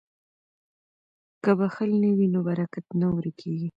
که بخل نه وي نو برکت نه ورکیږي.